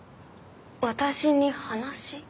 私に話？